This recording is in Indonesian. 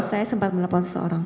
saya sempat menelpon seseorang